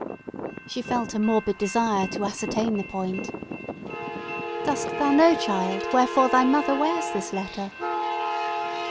She felt a morbid desire to ascertain the point. "Dost thou know, child, wherefore thy mother wears this letter?"